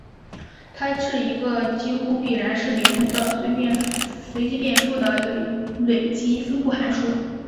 它是一个几乎必然是零的随机变数的累积分布函数。